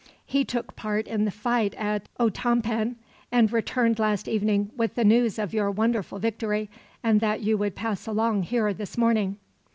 He took part in the fight at Otompan, and returned last evening with the news of your wonderful victory, and that you would pass along here this morning.